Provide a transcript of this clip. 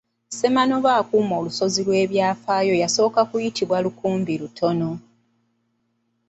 Ssemanobe akuuma olusozi lw’ebyafaayo yasooka kuyitibwa Lukumbirutono.